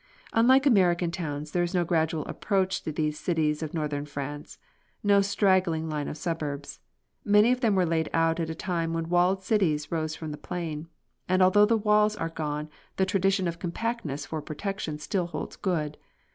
Unlike American towns, there is no gradual approach to these cities of Northern France; no straggling line of suburbs. Many of them were laid out at a time when walled cities rose from the plain, and although the walls are gone the tradition of compactness for protection still holds good.